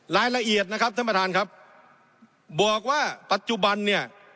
รายละเอียดนะครับท่านประธานครับบอกว่าปัจจุบันเนี่ย